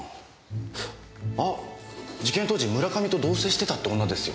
あっ事件当時村上と同棲してたって女ですよ。